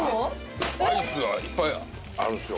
アイスはいっぱいあるんですよ